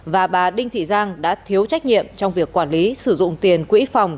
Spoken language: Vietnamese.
và bà đinh thị giang đã thiếu trách nhiệm trong việc quản lý sử dụng tiền quỹ phòng